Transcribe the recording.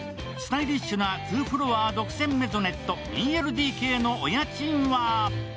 スタイリッシュなツーフロア独占メゾネット、２ＬＤＫのお家賃は？